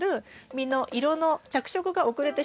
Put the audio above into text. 実の色の着色が遅れてしまいます。